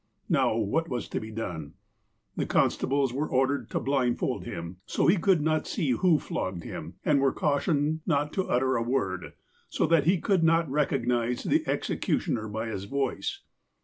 Now, what was to be done ? The constables were ordered to blind fold him, so he could not see who flogged him, and were cautioned not to utter a word, so that he could not recog nize the executioner by his voice.